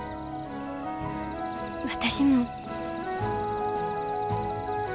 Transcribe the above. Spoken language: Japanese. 私も。